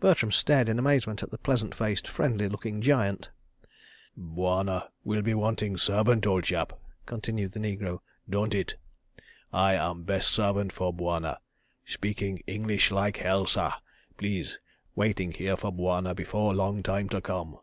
Bertram stared in amazement at the pleasant faced, friendly looking giant. "Bwana will wanting servant, ole chap," continued the negro, "don't it? I am best servant for Bwana. Speaking English like hell, sah, please. Waiting here for Bwana before long time to come.